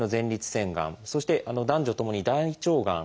そして男女ともに大腸がん。